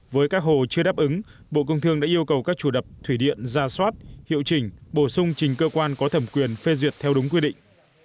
với các hồ chưa đáp ứng bộ công thương đã yêu cầu các chủ đập thủy điện ra soát hiệu chỉnh bổ sung trình cơ quan có thẩm quyền phê duyệt theo đúng quy định